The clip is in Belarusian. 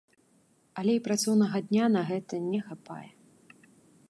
Але і працоўнага дня на гэта не хапае.